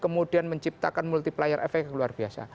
menciptakan multiplier efek luar biasa